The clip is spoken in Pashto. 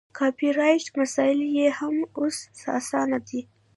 کاپي رایټ مسایل یې هم اوس اسانه دي.